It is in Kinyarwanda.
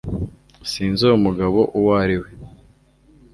sinzi uwo mugabo uwo ari we